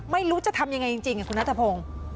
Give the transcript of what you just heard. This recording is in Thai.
ไม่รู้จะทำยังไงจริงคุณนัทพงศ์